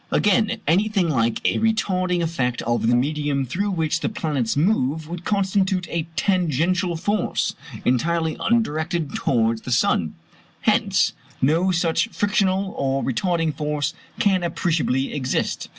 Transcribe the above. Again, anything like a retarding effect of the medium through which the planets move would constitute a tangential force, entirely un directed towards the sun. Hence no such frictional or retarding force can appreciably exist.